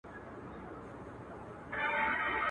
په غرمو کې وگټه، په سايو کې وخوره.